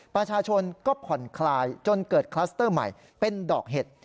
ประชาชนก็ผ่อนคลายจนเกิดคลัสเตอร์ใหม่เป็นดอกเห็ด